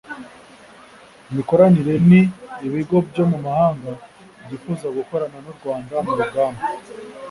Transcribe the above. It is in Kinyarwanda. Imikoranire n ibigo byo mu mahanga byifuza gukorana n u Rwanda mu rugamba